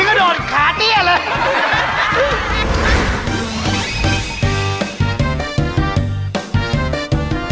โปรดติดตามตอนต่อไป